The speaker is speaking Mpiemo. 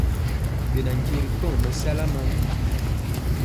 Ɓɛ na nkye ri kɔŋ mɛsala maŋ.